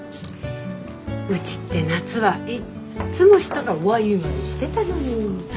うちって夏はいっつも人がワイワイしてたのに。